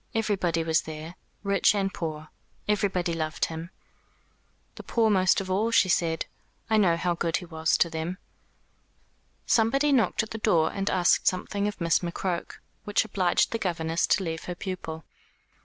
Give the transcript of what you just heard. Everybody was there rich and poor. Everybody loved him." "The poor most of all," she said. "I know how good he was to them." Somebody knocked at the door and asked something of Miss McCroke, which obliged the governess to leave her pupil.